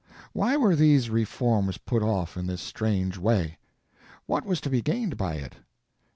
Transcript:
Why were these reforms put off in this strange way? What was to be gained by it?